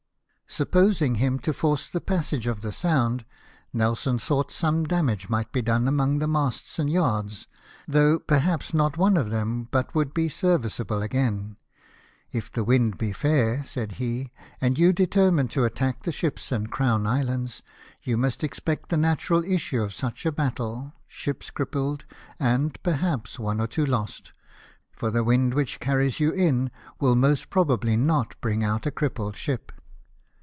Supposing him to force the passage of the Sound, Nelson thought some damage might be done among the masts and yards ; though, perhaps, not one of them but would be serviceable again. " If the wind be fair," said he, " and you determine to attack the ships and Crown Islands, you must expect the natural issue of such a battle — ships crippled, and, perhaps, one or two lost ; for the wind which carries you in will most probably not bring out a crippled ship.